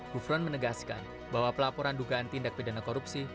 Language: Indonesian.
gufron menegaskan bahwa pelaporan dugaan tindak pidana korupsi